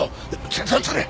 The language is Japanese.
手伝ってくれ。